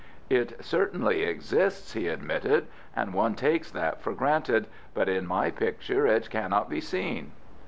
"It certainly exists," he admitted, "and one takes that for granted; but in my picture it cannot be seen."